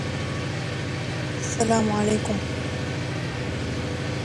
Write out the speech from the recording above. Each contracting party's type approvals are recognised by all other contracting parties.